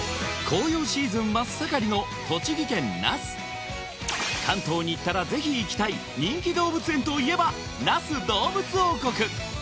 紅葉シーズン真っ盛りの栃木県那須関東に行ったらぜひ行きたい人気動物園といえば那須どうぶつ王国